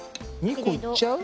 ２個いっちゃう？